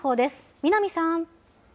南さん。